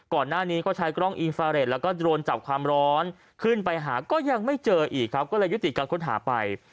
ก่อนหน้านี้ก็ใช้กล้องอินฟาเรทแล้วก็โดนจับความร้อนขึ้นไปหาก็ยังไม่เจออีกครับก็เลยยุติการค้นหาไป